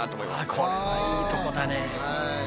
これはいいとこだね。